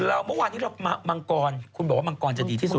แล้วเมื่อวานนี้เรามังกรคุณบอกว่ามังกรจะดีที่สุด